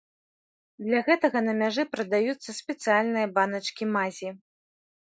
Для гэтага на мяжы прадаюцца спецыяльныя баначкі мазі.